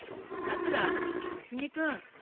さくら小杉君。